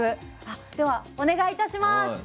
では、お願いいたします。